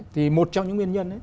thì một trong những nguyên nhân